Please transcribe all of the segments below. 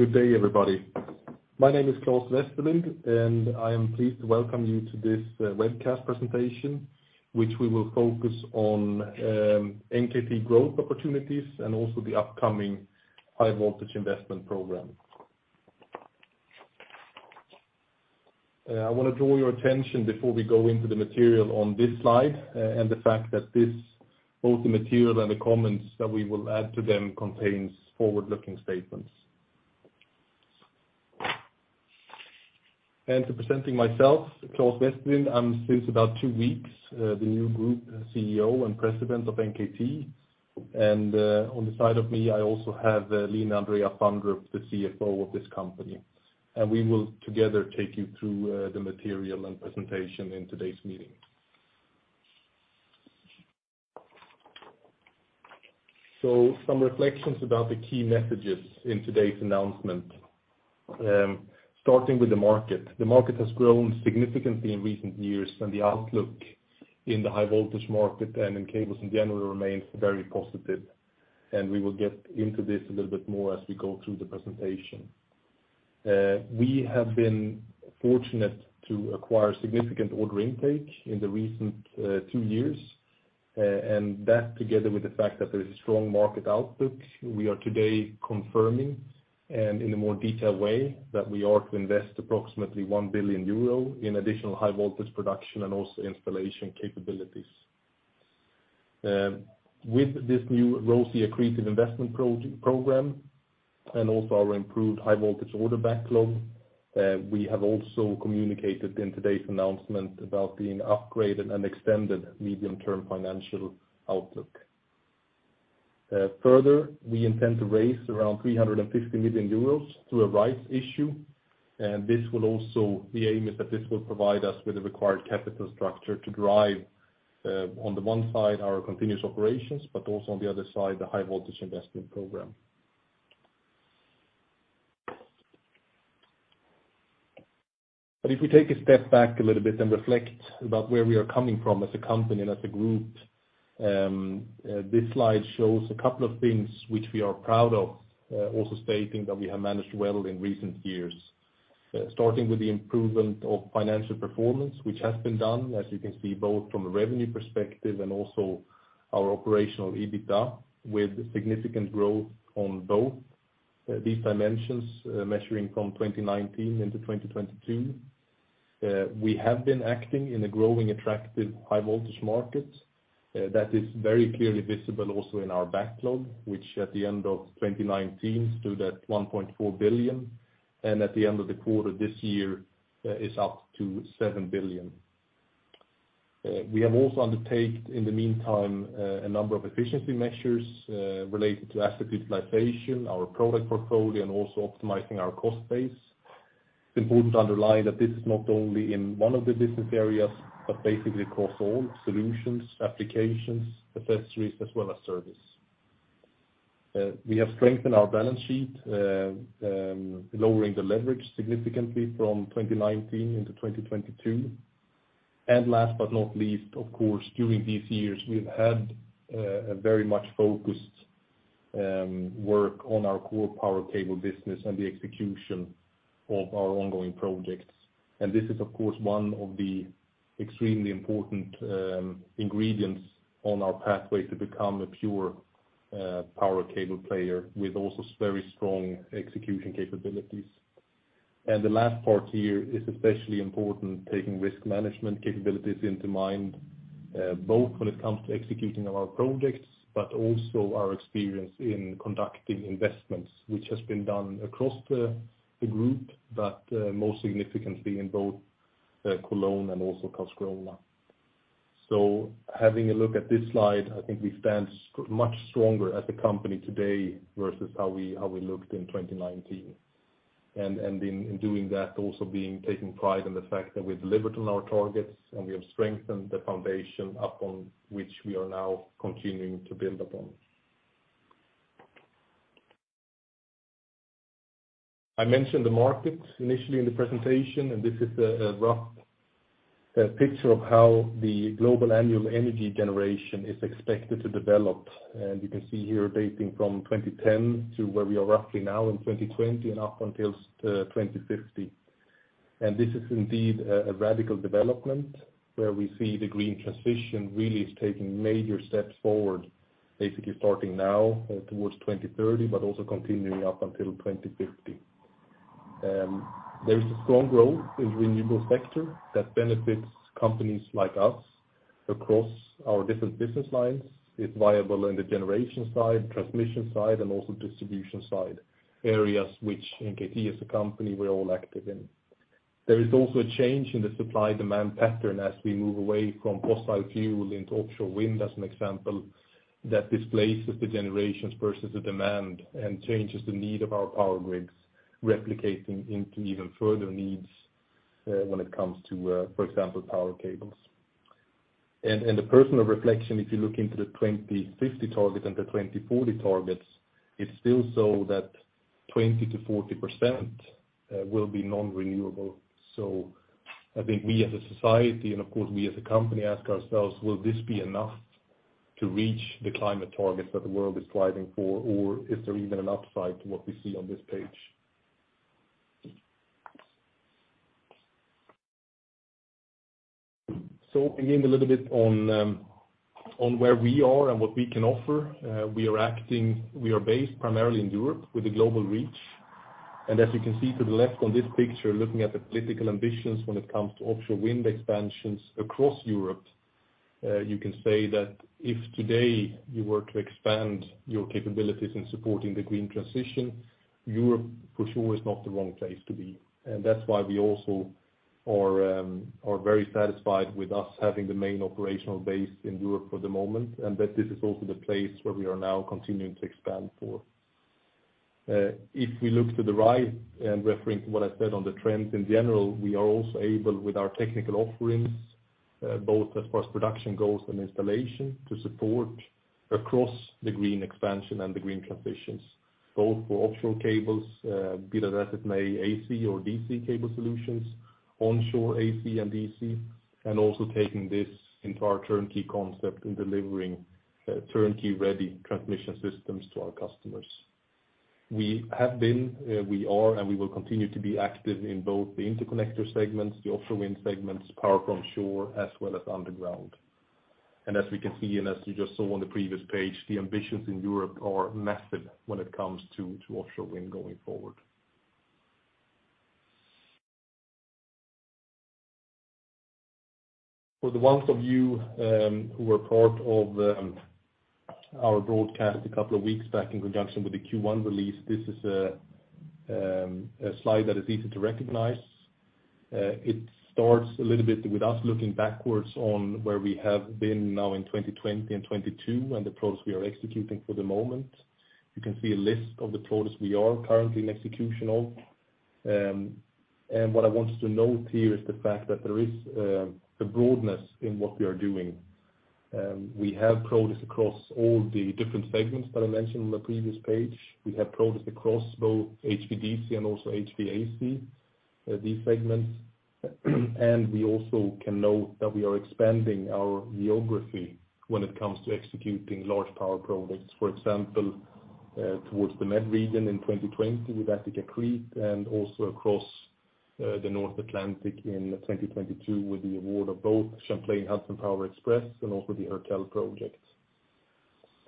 Good day, everybody. My name is Claes Westerlind, and I am pleased to welcome you to this webcast presentation, which we will focus on NKT growth opportunities and also the upcoming high voltage investment program. I want to draw your attention before we go into the material on this slide and the fact that this, both the material and the comments that we will add to them contains forward-looking statements. To presenting myself, Claes Westerlind, I'm since about two weeks, the new group CEO and President of NKT. On the side of me, I also have Line Andrea Fandrup, the CFO of this company. We will together take you through the material and presentation in today's meeting. Some reflections about the key messages in today's announcement. Starting with the market. The market has grown significantly in recent years. The outlook in the high voltage market and in cables in general remains very positive. We will get into this a little bit more as we go through the presentation. We have been fortunate to acquire significant order intake in the recent two years. That together with the fact that there is a strong market outlook, we are today confirming and in a more detailed way, that we are to invest approximately 1 billion euro in additional high voltage production and also installation capabilities. With this new rosy accretive investment program and also our improved high voltage order backlog, we have also communicated in today's announcement about the upgraded and extended medium-term financial outlook. Further, we intend to raise around 350 million euros through a rights issue, and the aim is that this will provide us with the required capital structure to drive, on the one side, our continuous operations, but also on the other side, the high voltage investment program. If we take a step back a little bit and reflect about where we are coming from as a company and as a group, this slide shows a couple of things which we are proud of, also stating that we have managed well in recent years. Starting with the improvement of financial performance, which has been done, as you can see, both from a revenue perspective and also our operational EBITDA, with significant growth on both, these dimensions, measuring from 2019 into 2022. We have been acting in a growing, attractive high voltage market that is very clearly visible also in our backlog, which at the end of 2019 stood at 1.4 billion and at the end of the quarter this year is up to 7 billion. We have also undertaken in the meantime a number of efficiency measures related to asset utilization, our product portfolio, and also optimizing our cost base. It's important to underline that this is not only in one of the business areas, but basically across all solutions, applications, accessories, as well as service. We have strengthened our balance sheet, lowering the leverage significantly from 2019 into 2022. Last but not least, of course, during these years we've had a very much focused work on our core power cable business and the execution of our ongoing projects. This is, of course, one of the extremely important ingredients on our pathway to become a pure power cable player with also very strong execution capabilities. The last part here is especially important, taking risk management capabilities into mind, both when it comes to executing our projects, but also our experience in conducting investments, which has been done across the group, but most significantly in both Cologne and also Karlskrona. Having a look at this slide, I think we stand much stronger as a company today versus how we looked in 2019. In doing that, also taking pride in the fact that we've delivered on our targets and we have strengthened the foundation upon which we are now continuing to build upon. I mentioned the market initially in the presentation, this is a rough picture of how the global annual energy generation is expected to develop. You can see here, dating from 2010 to where we are roughly now in 2020 and up until 2050. This is indeed a radical development where we see the green transition really is taking major steps forward, basically starting now towards 2030, but also continuing up until 2050. There is a strong growth in renewable sector that benefits companies like us across our different business lines. It's viable in the generation side, transmission side, and also distribution side, areas which NKT as a company, we're all active in. There is also a change in the supply demand pattern as we move away from fossil fuel into offshore wind as an example, that displaces the generations versus the demand and changes the need of our power grids, replicating into even further needs when it comes to, for example, power cables. The personal reflection, if you look into the 2050 target and the 2040 targets, it's still so that 20% to 40% will be non-renewable. I think we as a society and of course we as a company ask ourselves, will this be enough to reach the climate targets that the world is striving for or is there even an upside to what we see on this page? Again, a little bit on where we are and what we can offer. We are based primarily in Europe with a global reach. As you can see to the left on this picture, looking at the political ambitions when it comes to offshore wind expansions across Europe, you can say that if today you were to expand your capabilities in supporting the green transition, Europe, for sure is not the wrong place to be. That's why we also are very satisfied with us having the main operational base in Europe for the moment, and that this is also the place where we are now continuing to expand for. If we look to the right and referring to what I said on the trends in general, we are also able, with our technical offerings, both as far as production goals and installation to support across the green expansion and the green transitions, both for offshore cables, be that as it may, AC or DC cable solutions, onshore AC and DC, and also taking this into our turnkey concept in delivering, turnkey-ready transmission systems to our customers. We have been, we are, and we will continue to be active in both the interconnector segments, the offshore wind segments, power from shore, as well as underground. As we can see, and as you just saw on the previous page, the ambitions in Europe are massive when it comes to offshore wind going forward. For the ones of you, who were part of our broadcast a couple of weeks back in conjunction with the Q1 release, this is a slide that is easy to recognize. It starts a little bit with us looking backwards on where we have been now in 2020 and 2022 and the projects we are executing for the moment. You can see a list of the projects we are currently in execution of. What I want you to note here is the fact that there is a broadness in what we are doing. We have projects across all the different segments that I mentioned on the previous page. We have projects across both HVDC and also HVAC, these segments. We also can note that we are expanding our geography when it comes to executing large power projects. For example, towards the Med region in 2020 with Attica-Crete, and also across the North Atlantic in 2022 with the award of both Champlain Hudson Power Express and also the Hertel project.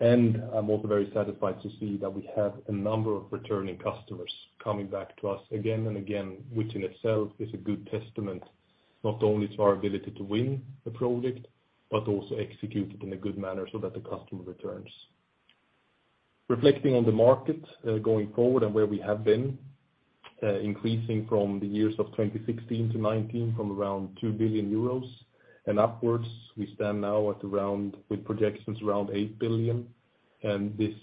I'm also very satisfied to see that we have a number of returning customers coming back to us again and again, which in itself is a good testament, not only to our ability to win a project, but also execute it in a good manner so that the customer returns. Reflecting on the market, going forward and where we have been increasing from the years of 2016 to 2019 from around 2 billion euros and upwards. We stand now at around with projections around 8 billion. This,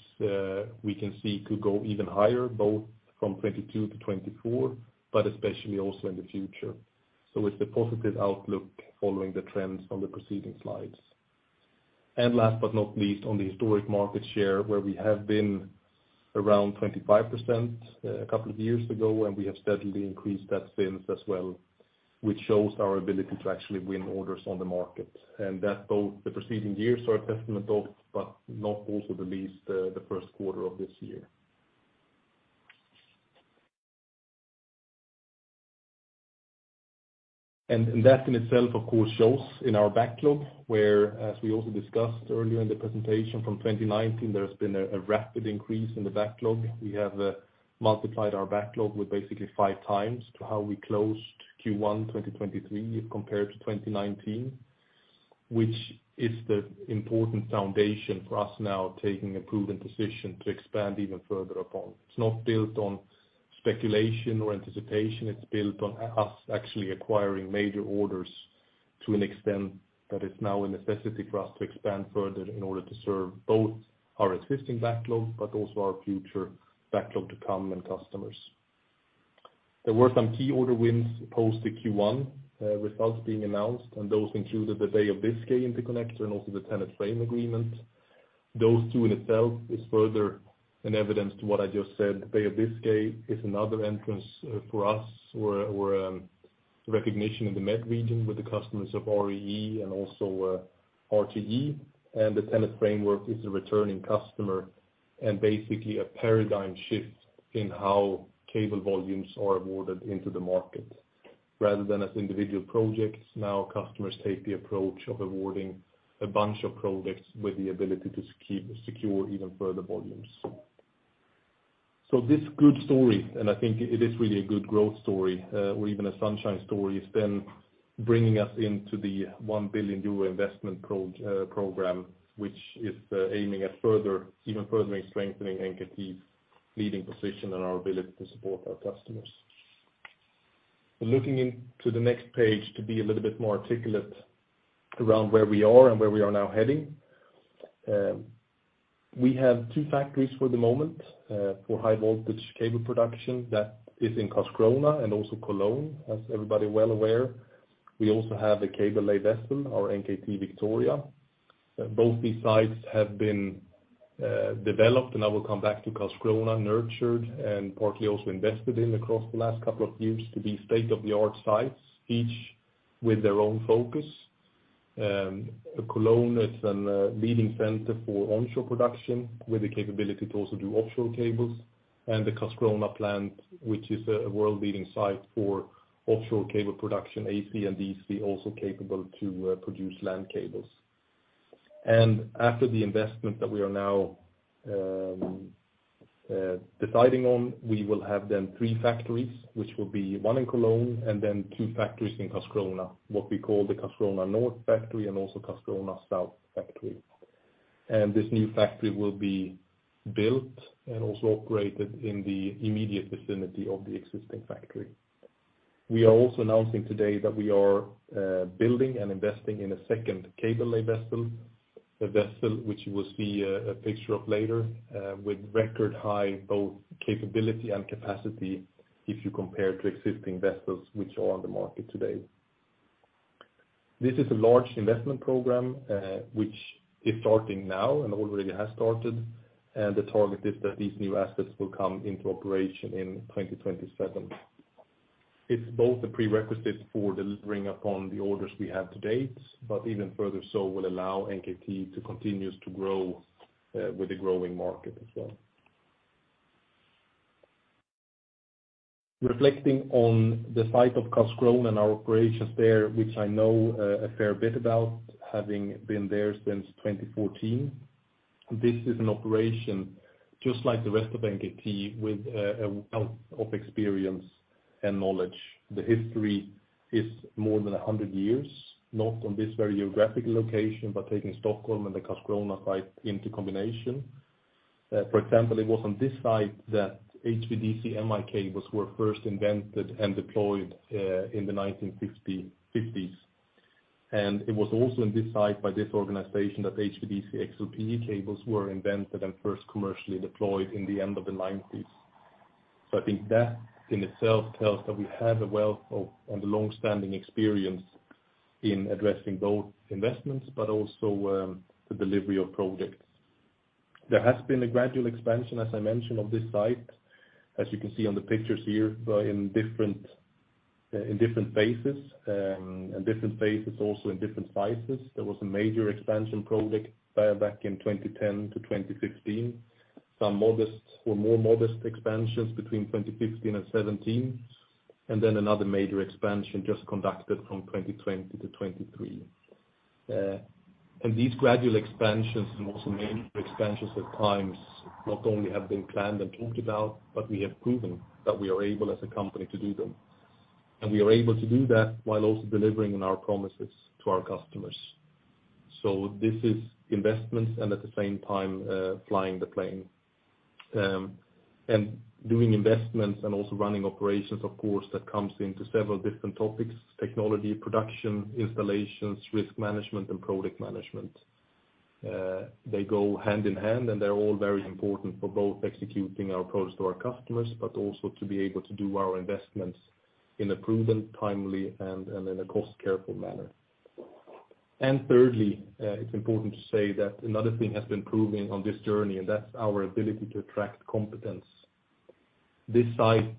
we can see could go even higher, both from 2022 to 2024, but especially also in the future. It's a positive outlook following the trends on the preceding slides. Last but not least, on the historic market share where we have been around 25%, a couple of years ago, and we have steadily increased that since as well, which shows our ability to actually win orders on the market. That both the preceding years are a testament of, but not also the least, the first quarter of this year. That in itself, of course, shows in our backlog, where, as we also discussed earlier in the presentation, from 2019 there has been a rapid increase in the backlog. We have multiplied our backlog with basically 5x to how we closed Q1 2023 compared to 2019, which is the important foundation for us now taking a proven decision to expand even further upon. It's not built on speculation or anticipation. It's built on us actually acquiring major orders to an extent that is now a necessity for us to expand further in order to serve both our existing backlog but also our future backlog to come and customers. There were some key order wins post the Q1 results being announced, and those included the Bay of Biscay interconnector and also the TenneT frame agreement. Those two in itself is further an evidence to what I just said. Bay of Biscay is another entrance for us. We're recognition in the Med region with the customers of REE and also RTE. The TenneT framework is a returning customer and basically a paradigm shift in how cable volumes are awarded into the market. Rather than as individual projects, now customers take the approach of awarding a bunch of projects with the ability to keep secure even further volumes. This good story, and I think it is really a good growth story, or even a sunshine story, has been bringing us into the 1 billion euro investment program, which is aiming at further, even further strengthening NKT's leading position and our ability to support our customers. Looking into the next page to be a little bit more articulate around where we are and where we are now heading. We have two factories for the moment, for high voltage cable production. That is in Karlskrona and also Cologne, as everybody well aware. We also have a cable lay vessel, our NKT Victoria. Both these sites have been developed, and I will come back to Karlskrona, nurtured, and partly also invested in across the last couple of years to be state-of-the-art sites, each with their own focus. Cologne is a leading center for onshore production, with the capability to also do offshore cables. The Karlskrona plant, which is a world-leading site for offshore cable production, AC and DC, also capable to produce land cables. After the investment that we are now deciding on, we will have then three factories, which will be one in Cologne and then two factories in Karlskrona, what we call the Karlskrona North factory and also Karlskrona South factory. This new factory will be built and also operated in the immediate vicinity of the existing factory. We are also announcing today that we are building and investing in a second cable lay vessel. A vessel which you will see a picture of later, with record high both capability and capacity if you compare to existing vessels which are on the market today. This is a large investment program, which is starting now and already has started, and the target is that these new assets will come into operation in 2027. It's both a prerequisite for delivering upon the orders we have to date, but even further so will allow NKT to continues to grow with the growing market as well. Reflecting on the site of Karlskrona and our operations there, which I know a fair bit about having been there since 2014. This is an operation just like the rest of NKT with a wealth of experience and knowledge. The history is more than 100 years, not on this very geographic location, but taking Stockholm and the Karlskrona site into combination. For example, it was on this site that HVDC MI cables were first invented and deployed in the 1960s. It was also in this site by this organization that HVDC XLPE cables were invented and first commercially deployed in the end of the 1990s. I think that in itself tells that we have a wealth of and long-standing experience in addressing both investments but also, the delivery of projects. There has been a gradual expansion, as I mentioned, on this site. As you can see on the pictures here, in different, in different phases, and different phases also in different sizes. There was a major expansion project back in 2010 to 2015. Some modest or more modest expansions between 2015 and 2017. Another major expansion just conducted from 2020 to 2023. These gradual expansions and also major expansions at times not only have been planned and talked about, but we have proven that we are able as a company to do them. We are able to do that while also delivering on our promises to our customers. This is investments and at the same time, flying the plane. Doing investments and also running operations, of course, that comes into several different topics, technology, production, installations, risk management and product management. They go hand in hand, and they're all very important for both executing our products to our customers, but also to be able to do our investments in a proven, timely, and in a cost-careful manner. Thirdly, it's important to say that another thing has been proving on this journey, and that's our ability to attract competence. This site,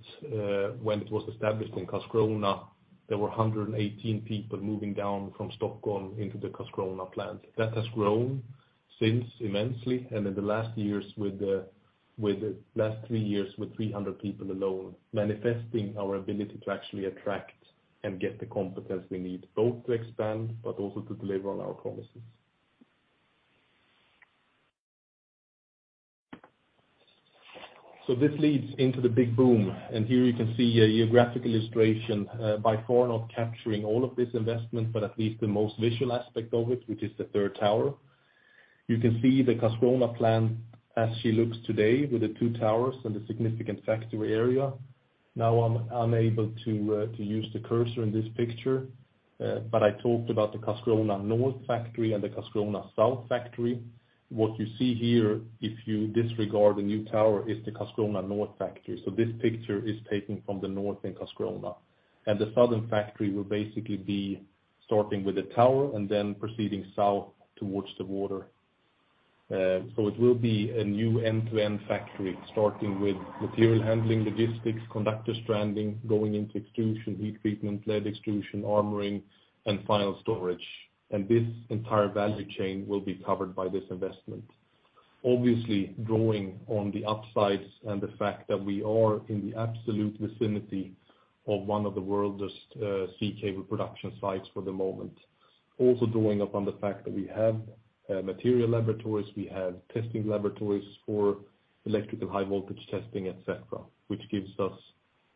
when it was established in Karlskrona, there were 118 people moving down from Stockholm into the Karlskrona plant. That has grown since immensely, and in the last years with the last three years with 300 people alone, manifesting our ability to actually attract and get the competence we need, both to expand but also to deliver on our promises. This leads into the big boom, and here you can see a geographic illustration, by far not capturing all of this investment, but at least the most visual aspect of it, which is the third tower. You can see the Karlskrona plant as she looks today with the two towers and the significant factory area. I'm able to use the cursor in this picture, but I talked about the Karlskrona North factory and the Karlskrona South factory. What you see here, if you disregard the new tower, is the Karlskrona North factory. This picture is taken from the north in Karlskrona. The southern factory will basically be starting with the tower and then proceeding south towards the water. It will be a new end-to-end factory, starting with material handling, logistics, conductor stranding, going into extrusion, heat treatment, lead extrusion, armoring, and final storage. This entire value chain will be covered by this investment. Obviously, drawing on the upsides and the fact that we are in the absolute vicinity of one of the world's sea cable production sites for the moment. Drawing upon the fact that we have material laboratories, we have testing laboratories for electrical high voltage testing, et cetera, which gives us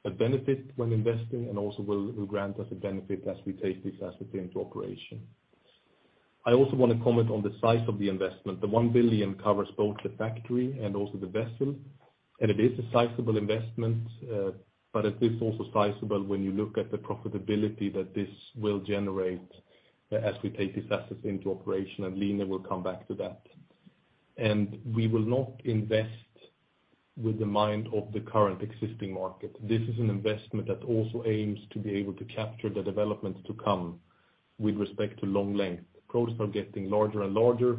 a benefit when investing and also will grant us a benefit as we take these assets into operation. I also wanna comment on the size of the investment. The 1 billion covers both the factory and also the vessel. It is a sizable investment, but it is also sizable when you look at the profitability that this will generate as we take these assets into operation, and Line will come back to that. We will not invest with the mind of the current existing market. This is an investment that also aims to be able to capture the development to come with respect to long length. Projects are getting larger and larger,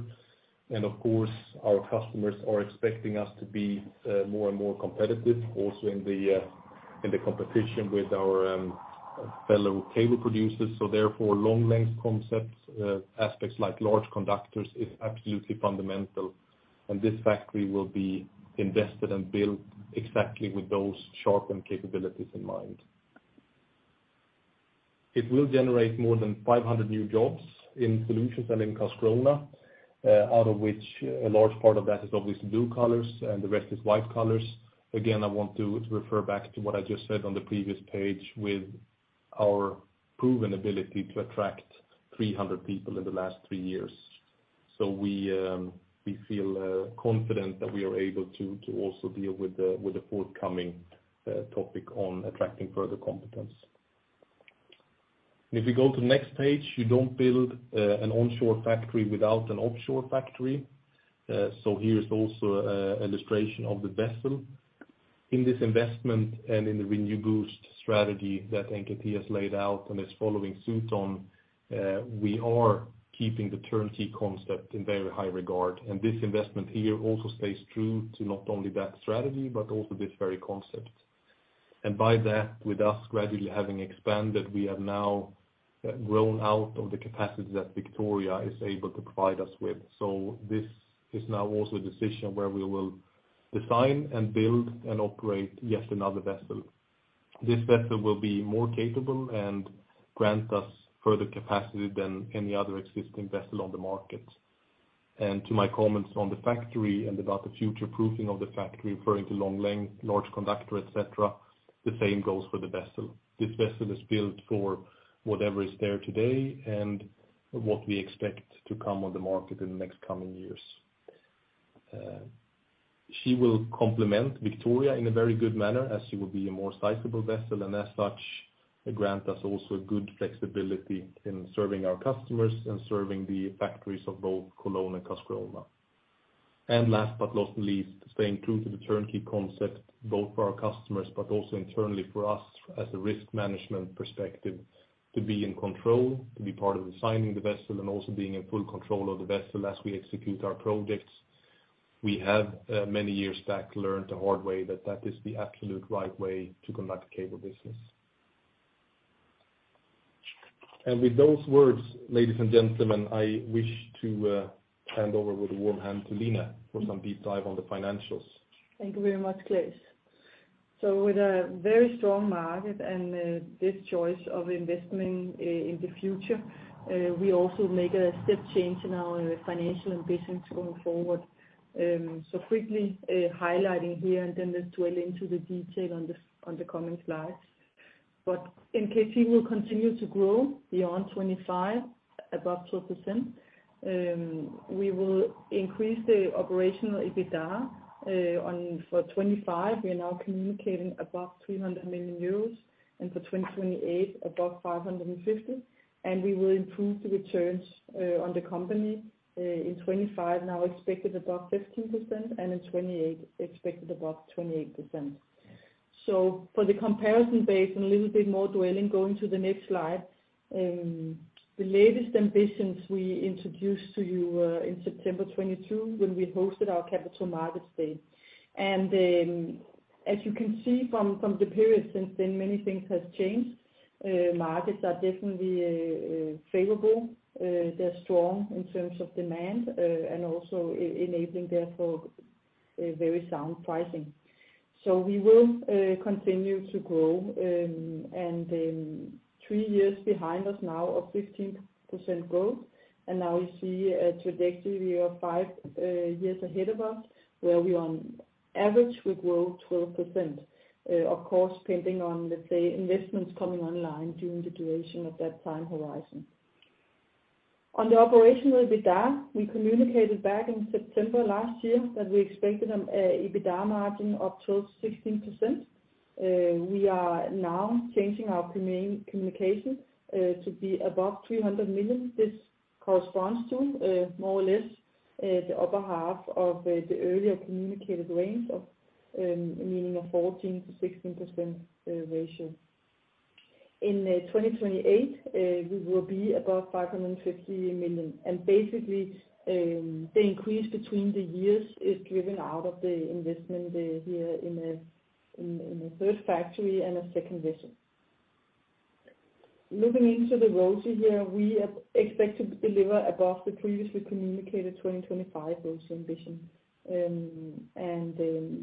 and of course, our customers are expecting us to be more and more competitive also in the competition with our fellow cable producers. Therefore, long length concepts, aspects like large conductors is absolutely fundamental, and this factory will be invested and built exactly with those sharpened capabilities in mind. It will generate more than 500 new jobs in Solutions and in Karlskrona, out of which a large part of that is obviously blue collars and the rest is white collars. Again, I want to refer back to what I just said on the previous page with our proven ability to attract 300 people in the last three years. We feel confident that we are able to also deal with the forthcoming topic on attracting further competence. If you go to the next page, you don't build an onshore factory without an offshore factory. Here's also illustration of the vessel. In this investment and in the ReNew BOOST strategy that NKT has laid out and is following suit on, we are keeping the turnkey concept in very high regard. This investment here also stays true to not only that strategy, but also this very concept. By that, with us gradually having expanded, we have now grown out of the capacity that NKT Victoria is able to provide us with. This is now also a decision where we will design and build and operate yet another vessel. This vessel will be more capable and grant us further capacity than any other existing vessel on the market. To my comments on the factory and about the future-proofing of the factory, referring to long length, large conductor, et cetera, the same goes for the vessel. This vessel is built for whatever is there today and what we expect to come on the market in the next coming years. She will complement Victoria in a very good manner as she will be a more sizable vessel, and as such, grant us also good flexibility in serving our customers and serving the factories of both Cologne and Karlskrona. Last but not least, staying true to the turnkey concept, both for our customers, but also internally for us as a risk management perspective, to be in control, to be part of designing the vessel and also being in full control of the vessel as we execute our projects. We have many years back learned the hard way that that is the absolute right way to conduct cable business. With those words, ladies and gentlemen, I wish to hand over with a warm hand to Line for some deep dive on the financials. Thank you very much, Claes. With a very strong market and this choice of investment in the future, we also make a step change in our financial ambitions going forward. Quickly highlighting here and then let's dwell into the detail on the coming slides. NKT will continue to grow beyond 25, above 12%. We will increase the operational EBITDA for 25, we are now communicating above 300 million euros, and for 2028, above 550 million. We will improve the returns on the company in 25, now expected above 15%, and in 28, expected above 28%. For the comparison base and a little bit more dwelling, going to the next slide, the latest ambitions we introduced to you in September 2022 when we hosted our Capital Markets Day. As you can see from the period since then, many things have changed. Markets are definitely favorable. They're strong in terms of demand and also e-enabling therefore a very sound pricing. We will continue to grow, and three years behind us now of 15% growth. Now we see a trajectory of years ahead of us, where we on average will grow 12%, of course, depending on, let's say, investments coming online during the duration of that time horizon. On the operational EBITDA, we communicated back in September last year that we expected an EBITDA margin of 12%-16%. We are now changing our communication to be above 300 million. This corresponds to more or less the upper half of the earlier communicated range, meaning a 14%-16% ratio. In 2028, we will be above 550 million. Basically, the increase between the years is driven out of the investment here in a third factory and a second vessel. Moving into the RoCE here, we expect to deliver above the previously communicated 2025 RoCE ambition.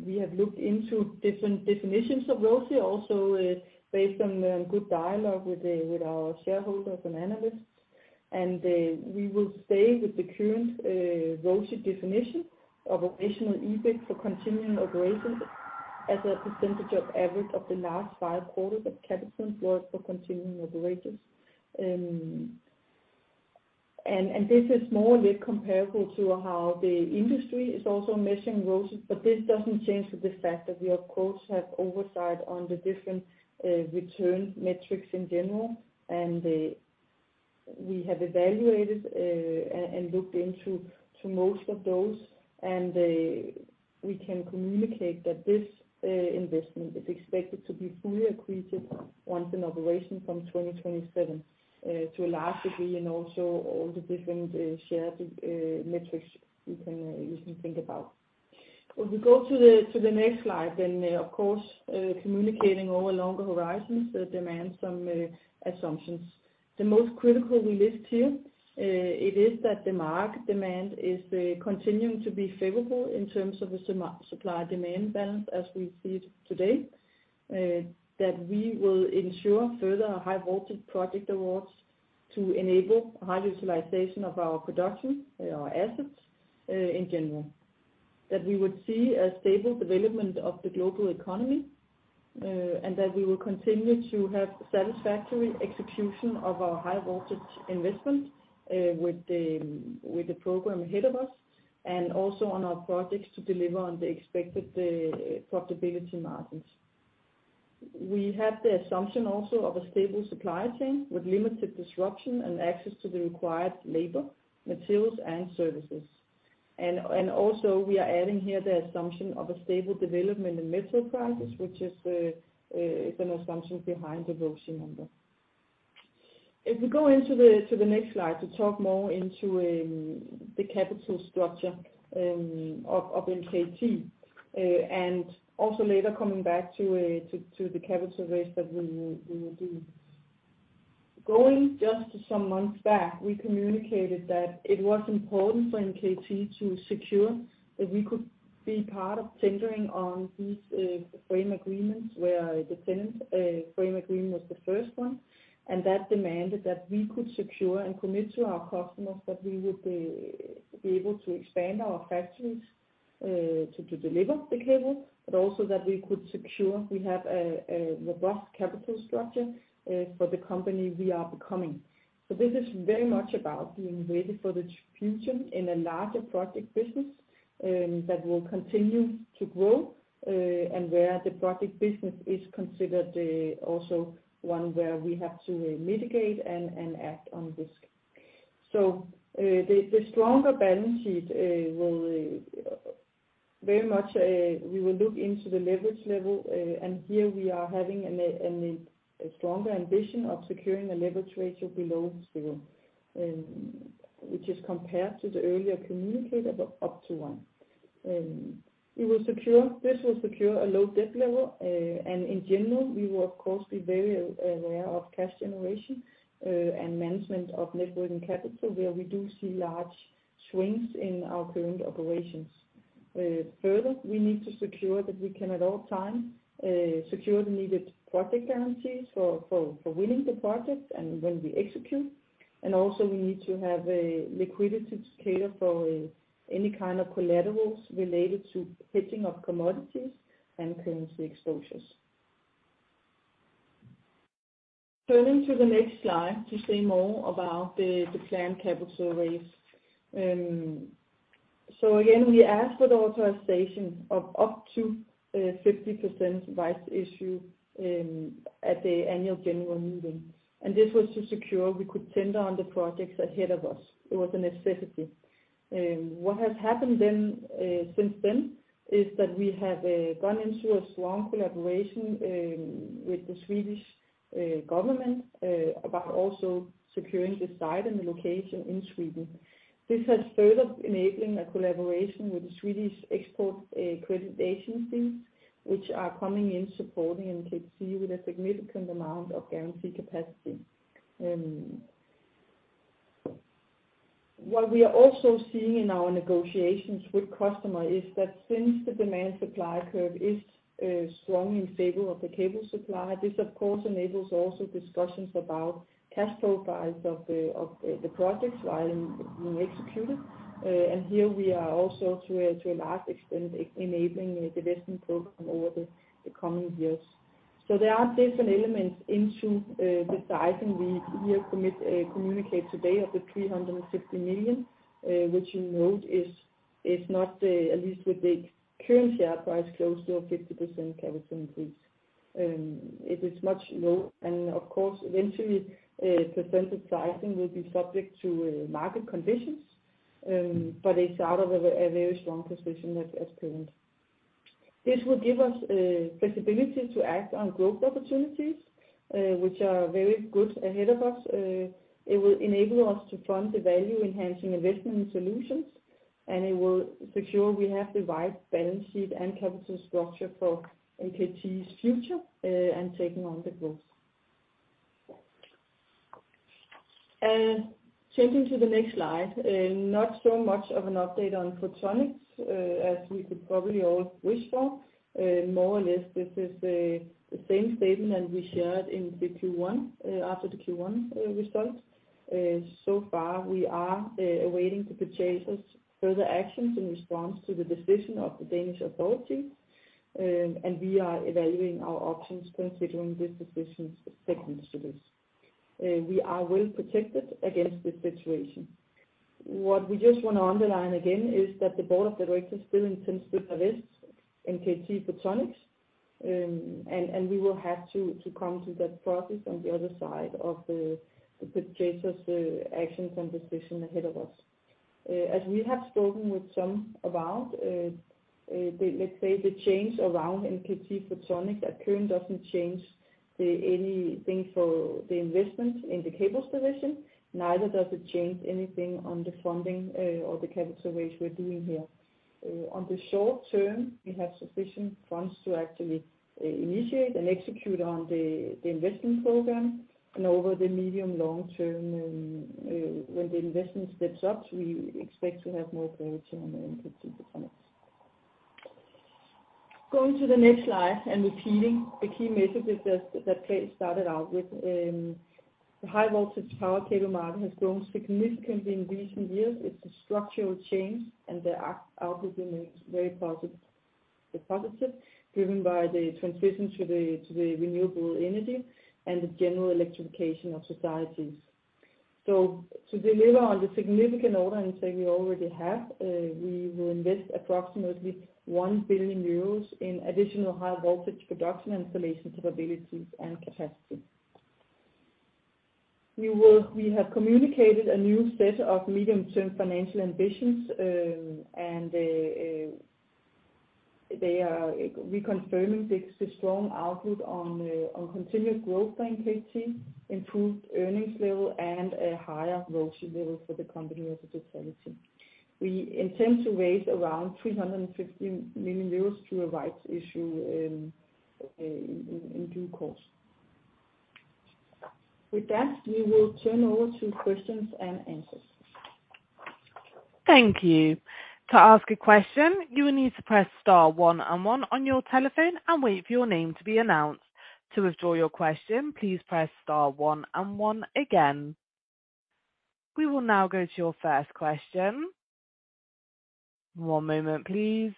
We have looked into different definitions of RoCE also, based on good dialogue with our shareholders and analysts. We will stay with the current RoCE definition of operational EBIT for continuing operations as a percentage of average of the last five quarters of capital employed for continuing operations. This is more or less comparable to how the industry is also measuring RoCE, but this doesn't change the fact that we of course have oversight on the different return metrics in general. We have evaluated and looked into most of those. We can communicate that this investment is expected to be fully accretive once in operation from 2027 to a large degree, and also all the different shared metrics you can think about. When we go to the next slide, of course, communicating over longer horizons that demand some assumptions. The most critical we list here, it is that the market demand is continuing to be favorable in terms of the sum-supply-demand balance as we see it today. That we will ensure further high voltage project awards to enable high utilization of our production, our assets, in general. That we would see a stable development of the global economy, and that we will continue to have satisfactory execution of our high voltage investment, with the program ahead of us, and also on our projects to deliver on the expected profitability margins. We have the assumption also of a stable supply chain with limited disruption and access to the required labor, materials, and services. Also we are adding here the assumption of a stable development in metal prices, which is an assumption behind the RoCE number. If we go into the next slide to talk more into the capital structure of NKT and also later coming back to the capital raise that we will do. Going just some months back, we communicated that it was important for NKT to secure that we could be part of tendering on these frame agreements, where the TenneT frame agreement was the first one. That demanded that we could secure and commit to our customers that we would be able to expand our factories to deliver the cable, but also that we could secure we have a robust capital structure for the company we are becoming. This is very much about being ready for the future in a larger project business, that will continue to grow, and where the project business is considered also one where we have to mitigate and act on risk. The stronger balance sheet will very much we will look into the leverage level, and here we are having a stronger ambition of securing a leverage ratio below 0, which is compared to the earlier communicated of up to 1. This will secure a low debt level. In general, we will of course be very aware of cash generation and management of net working capital, where we do see large swings in our current operations. Further, we need to secure that we can at all times secure the needed project guarantees for winning the project and when we execute. Also we need to have a liquidity to cater for any kind of collaterals related to hedging of commodities and currency exposures. Turning to the next slide to say more about the planned capital raise. Again, we asked for the authorization of up to 50% rights issue at the annual general meeting. This was to secure we could tender on the projects ahead of us. It was a necessity. What has happened then since then, is that we have gone into a strong collaboration with the Swedish government about also securing the site and the location in Sweden. This has further enabling a collaboration with the Swedish Export Credit Agency, which are coming in supporting NKT with a significant amount of guarantee capacity. What we are also seeing in our negotiations with customer is that since the demand supply curve is strong in favor of the cable supplier, this of course enables also discussions about cash profiles of the projects while being executed. Here we are also to a large extent enabling the investment program over the coming years. There are different elements into the sizing we here commit, communicate today of the 350 million, which you note is not, at least with the current share price, close to a 50% capital increase. It is much low and of course, eventually, percentage sizing will be subject to market conditions, but it's out of a very strong position as current. This will give us flexibility to act on growth opportunities, which are very good ahead of us. It will enable us to front the value enhancing investment solutions, and it will secure we have the right balance sheet and capital structure for NKT's future and taking on the growth. Changing to the next slide. Not so much of an update on Photonics as we could probably all wish for. More or less this is the same statement that we shared in the Q1 after the Q1 results. So far we are awaiting the purchasers further actions in response to the decision of the Danish authority, and we are evaluating our options considering this decision's consequences. We are well protected against this situation. What we just want to underline again is that the board of directors still intends to invest in NKT Photonics, and we will have to come to that process on the other side of the purchasers' actions and decision ahead of us. As we have spoken with some about the change around NKT Photonics that current doesn't change anything for the investment in the cables division, neither does it change anything on the funding or the capital raise we're doing here. On the short term, we have sufficient funds to actually initiate and execute on the investment program. Over the medium long term, when the investment steps up, we expect to have more clarity on NKT Photonics. Going to the next slide and repeating the key message that Claes started out with, the high voltage power cable market has grown significantly in recent years. It's a structural change, and the outcome is very positive, driven by the transition to the renewable energy and the general electrification of societies. To deliver on the significant order intake we already have, we will invest approximately 1 billion euros in additional high voltage production installations, capabilities, and capacity. We have communicated a new set of medium-term financial ambitions, and they are reconfirming the strong output on continued growth for NKT, improved earnings level, and a higher RoCE level for the company as a totality. We intend to raise around 350 million euros through a rights issue in due course. With that, we will turn over to questions and answers. Thank you. To ask a question, you will need to press star one and one on your telephone and wait for your name to be announced. To withdraw your question, please press star one and one again. We will now go to your first question. One moment, please.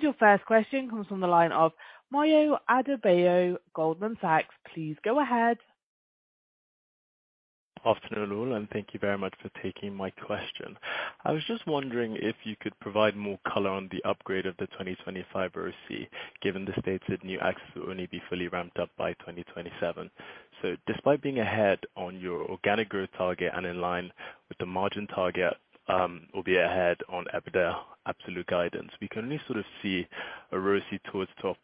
Your first question comes from the line of Moyo Adebayo, Goldman Sachs. Please go ahead. Afternoon, all, thank you very much for taking my question. I was just wondering if you could provide more color on the upgrade of the 2025 RoCE, given the stated new ax will only be fully ramped up by 2027. Despite being ahead on your organic growth target and in line with the margin target, or be ahead on EBITDA absolute guidance, we can only sort of see a RoCE towards 12%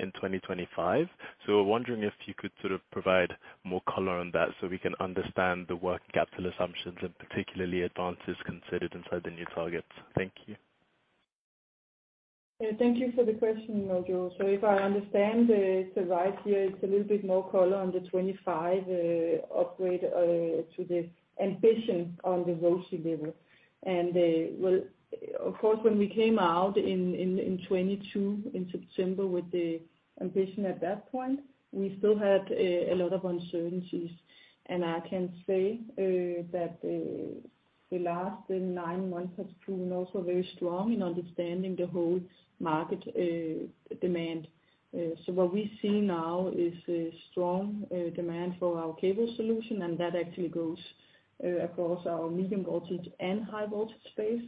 in 2025. Wondering if you could sort of provide more color on that so we can understand the working capital assumptions and particularly advances considered inside the new targets. Thank you. Thank you for the question, Moyo. If I understand, it's the right here, it's a little bit more color on the 25 upgrade to the ambition on the RoCE level. Well, of course, when we came out in 2022 in September with the ambition at that point, we still had a lot of uncertainties. I can say that the last nine months has proven also very strong in understanding the whole market demand. What we see now is a strong demand for our cable solution, and that actually goes across our medium voltage and high voltage space.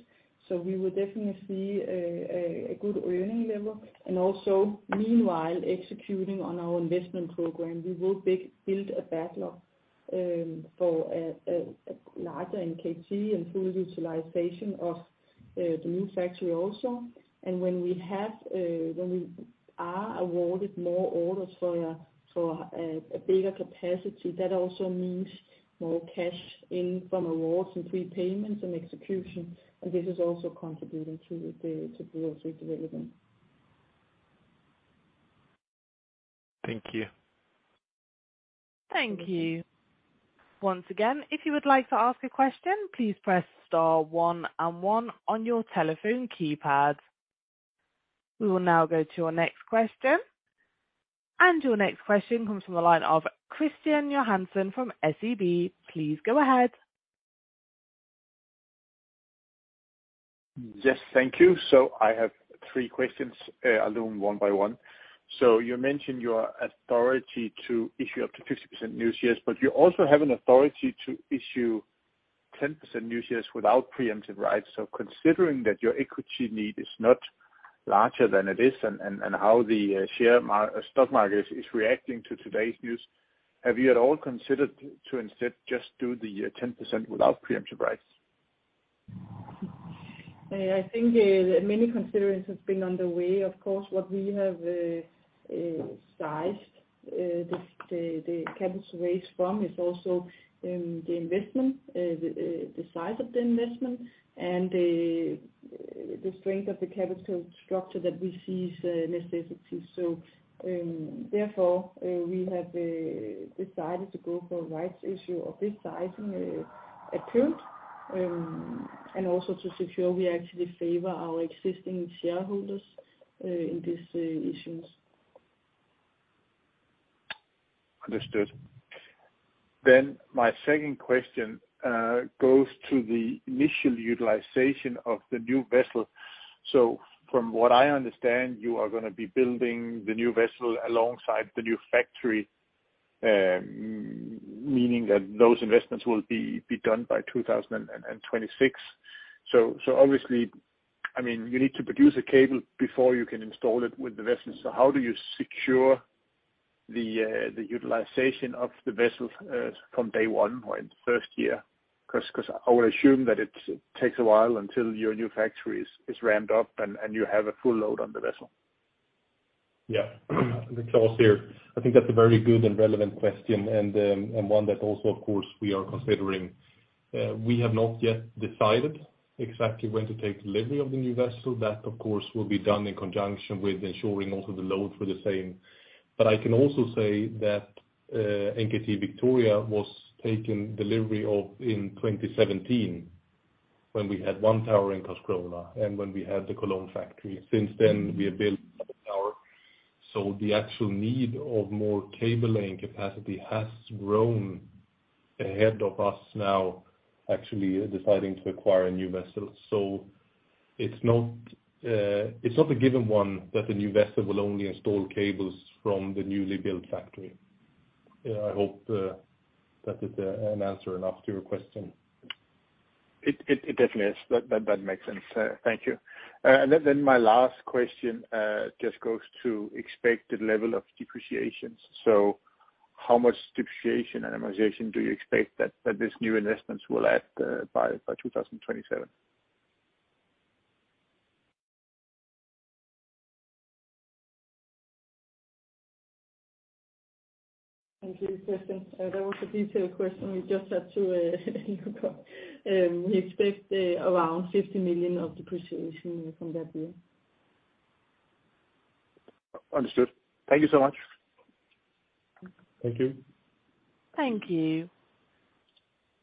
We will definitely see a good earning level, and also meanwhile executing on our investment program. We will build a backlog for a larger NKT and full utilization of the new factory also. When we have, when we are awarded more orders for a bigger capacity, that also means more cash in from awards and prepayments and execution. This is also contributing to the RoCE development. Thank you. Thank you. Once again, if you would like to ask a question, please press star one and one on your telephone keypad. We will now go to our next question. Your next question comes from the line of Kristian Johansen from SEB. Please go ahead. Yes. Thank you. I have three questions, I'll do them one by one. You mentioned your authority to issue up to 50% new shares, but you also have an authority to issue 10% new shares without preemptive rights. Considering that your equity need is not larger than it is and how the stock market is reacting to today's news, have you at all considered to instead just do the 10% without preemptive rights? I think many considerations have been on the way. Of course, what we have sized the capital raise from is also the investment, the size of the investment and the strength of the capital structure that we see is a necessity. Therefore, we have decided to go for a rights issue of this sizing at current. And also to secure we actually favor our existing shareholders in these issues. Understood. My second question goes to the initial utilization of the new vessel. From what I understand, you are going to be building the new vessel alongside the new factory, meaning that those investments will be done by 2026. Obviously, I mean, you need to produce a cable before you can install it with the vessel. How do you secure the utilization of the vessel from day one or in the first year? 'Cause I would assume that it takes a while until your new factory is ramped up and you have a full load on the vessel. Yeah. Claes here. I think that's a very good and relevant question and one that also, of course, we are considering. We have not yet decided exactly when to take delivery of the new vessel. That of course will be done in conjunction with ensuring also the load for the same. I can also say that, NKT Victoria was taken delivery of in 2017 when we had one tower in Karlskrona and when we had the Cologne factory. Since then, we have built another tower. The actual need of more cable and capacity has grown ahead of us now actually deciding to acquire a new vessel. It's not a given one that the new vessel will only install cables from the newly built factory. I hope, that is, an answer enough to your question. It definitely is. That does make sense. Thank you. Then my last question just goes to expected level of depreciations. How much depreciation and amortization do you expect that this new investments will add by 2027? Thank you, Kristian. That was a detailed question. We just had to look up. We expect around 50 million of depreciation from that deal. Understood. Thank you so much. Thank you. Thank you.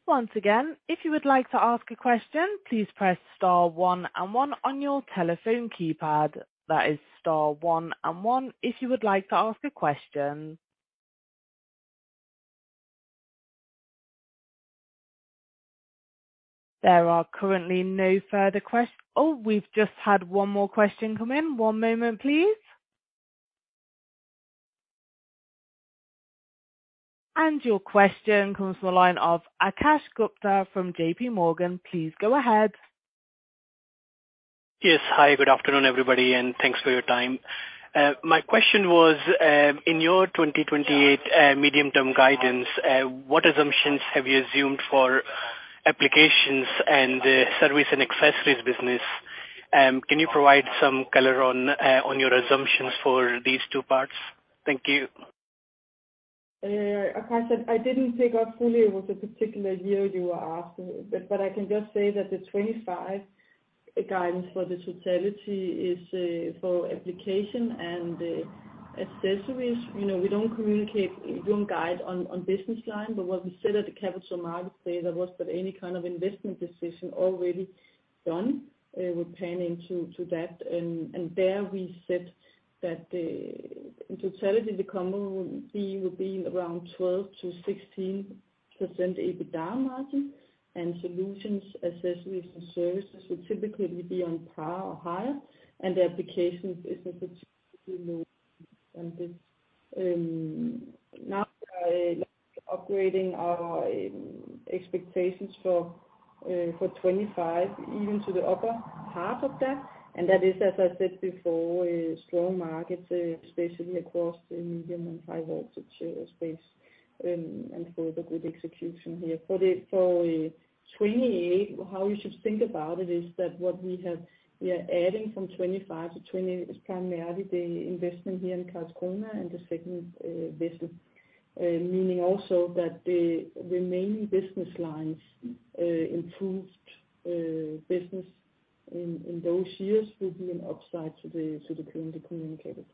Once again, if you would like to ask a question, please press star one and one on your telephone keypad. That is star one and one if you would like to ask a question. There are currently no further. Oh, we've just had one more question come in. One moment, please. Your question comes from the line of Akash Gupta from JPMorgan. Please go ahead. Yes. Hi, good afternoon, everybody, and thanks for your time. My question was, in your 2028 medium-term guidance, what assumptions have you assumed for applications and service and accessories business? Can you provide some color on your assumptions for these two parts? Thank you. Akash, I didn't pick up fully what particular year you were asking, but I can just say that the 25 guidance for the totality is for application and accessories. You know, we don't communicate, we don't guide on business line, but what we said at the capital market day, there wasn't any kind of investment decision already done. We're planning to that. There we said that the totality, the combo will be around 12%-16% EBITDA margin. Solutions, accessories, and services will typically be on par or higher. The applications is in particularly low than this. Now we are upgrading our expectations for 25 even to the upper half of that. That is, as I said before, a strong market, especially across the medium and high voltage space, and for the good execution here. 2028, how you should think about it is that what we have, we are adding from 2025 to 2028 is primarily the investment here in Karlskrona and the second vessel. Meaning also that the remaining business lines improved business in those years will be an upside to the current communicated.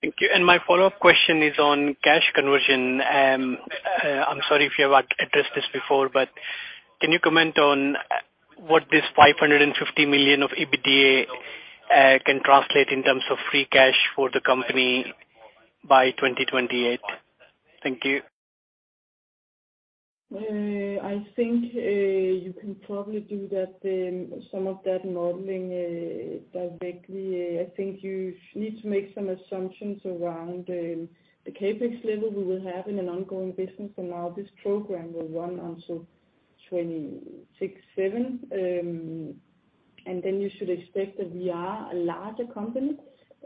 Thank you. My follow-up question is on cash conversion. I'm sorry if you have addressed this before, but can you comment on what this 550 million of EBITDA can translate in terms of free cash for the company by 2028? Thank you. I think you can probably do that, some of that modeling, directly. I think you need to make some assumptions around the CapEx level we will have in an ongoing business. Now this program will run until 2026, 2027. Then you should expect that we are a larger company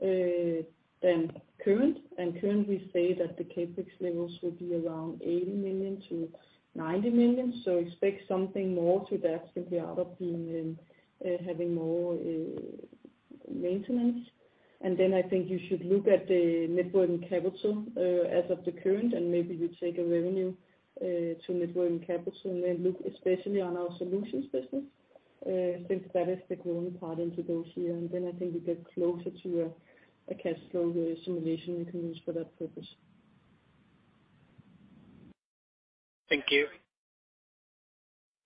than current. Currently say that the CapEx levels will be around 80 million-90 million. Expect something more to that simply out of being having more maintenance. Then I think you should look at the net working capital as of the current, and maybe you take a revenue to net working capital, and then look especially on our solutions business since that is the growing part into those years. Then I think you get closer to a cash flow simulation you can use for that purpose. Thank you.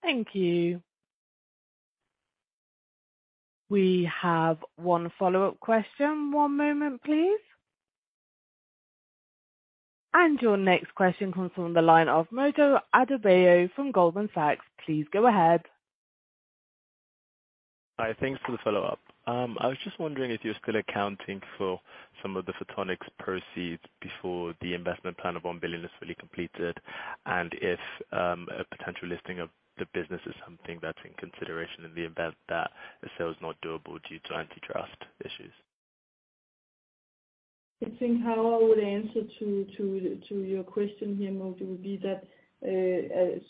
Thank you. We have one follow-up question. One moment, please. Your next question comes from the line of Moyo Adebayo from Goldman Sachs. Please go ahead. Hi. Thanks for the follow-up. I was just wondering if you're still accounting for some of the Photonics proceeds before the investment plan of 1 billion is fully completed. If, a potential listing of the business is something that's in consideration in the event that the sale is not doable due to antitrust issues? I think how I would answer to your question here, Moyo, would be that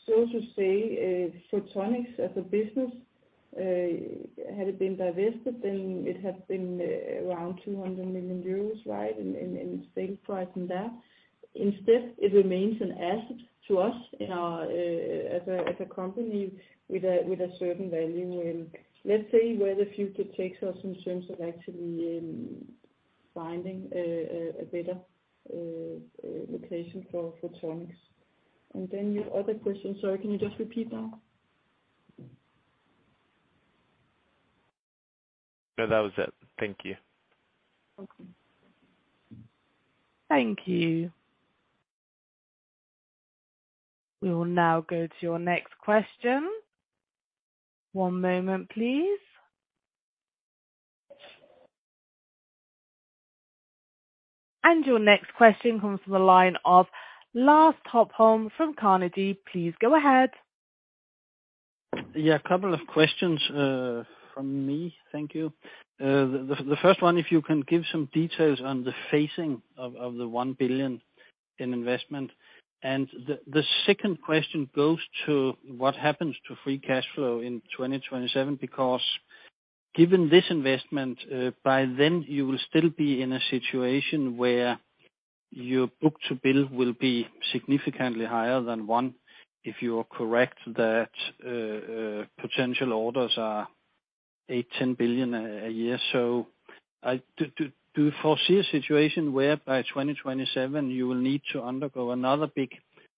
so to say, Photonics as a business, had it been divested then it had been around 200 million euros, right? In sale price and that. Instead it remains an asset to us in our as a company with a certain value. Let's see where the future takes us in terms of actually finding a better location for Photonics. Then your other question. Sorry, can you just repeat that? No, that was it. Thank you. Okay. Thank you. We will now go to your next question. One moment, please. Your next question comes from the line of Lars Topholm from Carnegie. Please go ahead. Yeah, a couple of questions from me. Thank you. The first one, if you can give some details on the phasing of the 1 billion in investment. The second question goes to what happens to free cash flow in 2027, because given this investment, by then you will still be in a situation where your book-to-bill will be significantly higher than 1, if you are correct that potential orders are 8 billion-10 billion a year. Do you foresee a situation where by 2027 you will need to undergo another big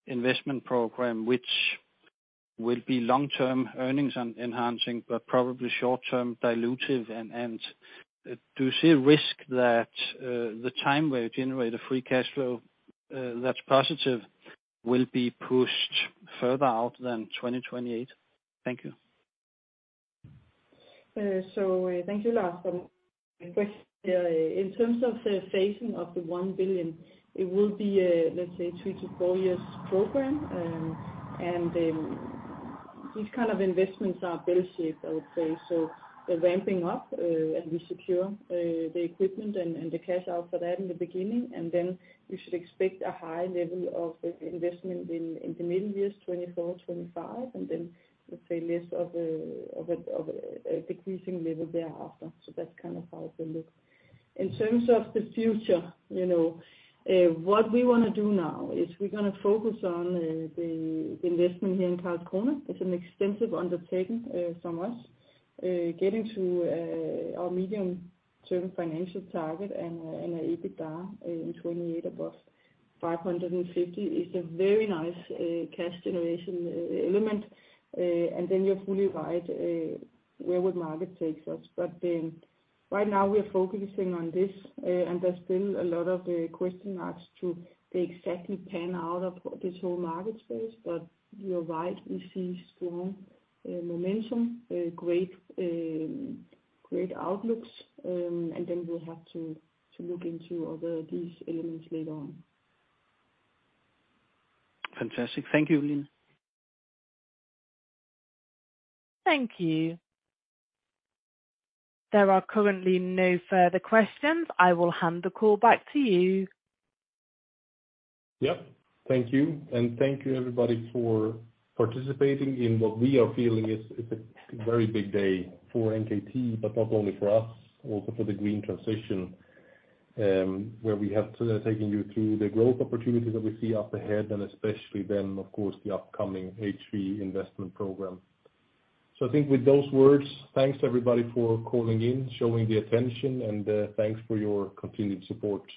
investment program which will be long-term earnings enhancing but probably short-term dilutive? Do you see a risk that the time where you generate a free cash flow that's positive will be pushed further out than 2028? Thank you. Thank you, Lars, for the question. In terms of the phasing of the 1 billion, it will be, let's say 2-4 years program. These kind of investments are bell-shaped, I would say. The ramping up, and we secure the equipment and the cash out for that in the beginning, and then we should expect a high level of investment in the middle years, 2024, 2025, and then let's say a decreasing level thereafter. That's kind of how it will look. In terms of the future, you know, what we want to do now is we're going to focus on the investment here in Karlskrona. It's an extensive undertaking from us. Getting to our medium-term financial target and an EBITDA in 2028 above 550 is a very nice cash generation element. Then you're fully right, where would market take us? Right now we are focusing on this, and there's still a lot of question marks to the exactly pan out of this whole market space. You're right, we see strong momentum, great outlooks, and then we'll have to look into other these elements later on. Fantastic. Thank you, Line. Thank you. There are currently no further questions. I will hand the call back to you. Yep. Thank you. Thank you, everybody, for participating in what we are feeling is a very big day for NKT, but not only for us, also for the green transition, where we have taken you through the growth opportunities that we see up ahead and especially then of course, the upcoming H3 investment program. I think with those words, thanks everybody for calling in, showing the attention, and thanks for your continued support.